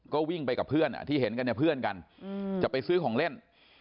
ก็วิ่งไปกับเพื่อนที่เห็นกันเนี่ยเพื่อนกันจะไปซื้อของเล่น